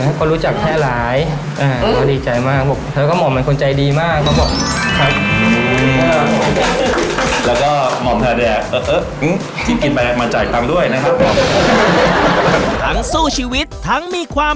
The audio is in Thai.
ให้คนรู้จักแท่หลายเอ่อเดี๋ยวดีใจมากบอกเขาก็หม่อมเป็นคนใจดีมากเขาบอกครับ